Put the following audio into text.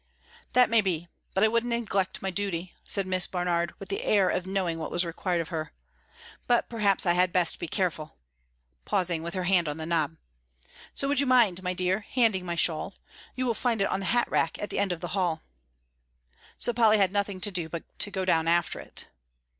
"That may be, but I wouldn't neglect my duty," said Miss Barnard, with the air of knowing what was required of her; "but perhaps I had best be careful," pausing with her hand on the knob, "so would you mind, my dear, handing my shawl; you will find it on the hat rack at the end of the hall." So Polly had nothing to do but to go down after it.